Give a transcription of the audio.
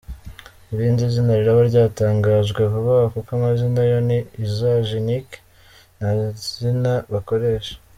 Irindi zina riraba ryatangajwe vuba aha kuko amazina yo ni “usage unique” ntazina bakoresha.